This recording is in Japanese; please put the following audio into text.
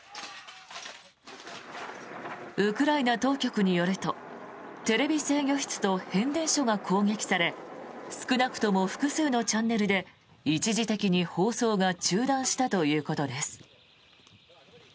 ウクライナ当局によるとテレビ制御室と変電所が攻撃され少なくとも複数のチャンネルで一時的に放送が中断したということです。